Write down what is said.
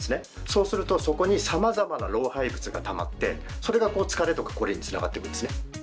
そうするとそこに様々な老廃物がたまってそれが疲れとか凝りに繋がっていくんですね。